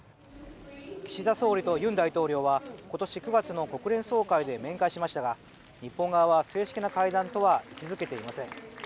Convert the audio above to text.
岸田総理と尹大統領は今年９月の国連総会で面会しましたが日本側は正式な会談とは位置付けていません。